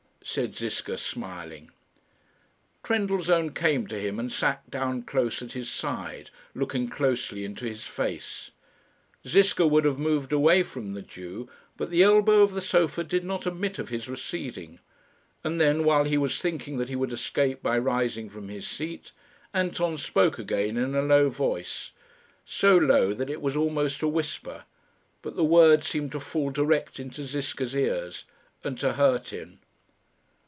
said Ziska, smiling. Trendellsohn came to him and sat down close at his side, looking closely into his face. Ziska would have moved away from the Jew, but the elbow of the sofa did not admit of his receding; and then, while he was thinking that he would escape by rising from his seat, Anton spoke again in a low voice so low that it was almost a whisper, but the words seemed to fall direct into Ziska's ears, and to hurt him.